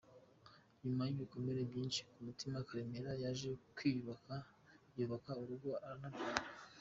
Nyuma y’ibikomere byinshi ku mutima, Karemera yaje kwiyubaka, yubaka urugo aranabyara.